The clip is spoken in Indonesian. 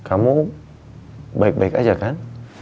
kamu baik baik aja kan